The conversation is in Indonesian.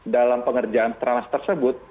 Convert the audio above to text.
dalam pengerjaan stranas tersebut